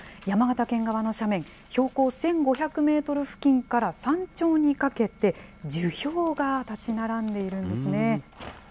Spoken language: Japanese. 山形県側の斜面、標高１５００メートル付近から山頂にかけて、樹氷が立ち並んでいるんですね。